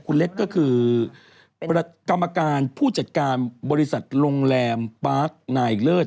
คุณเล็กก็คือกรรมการผู้จัดการบริษัทโรงแรมปาร์คนายเลิศ